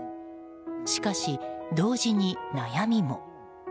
しかし、同時に悩みも。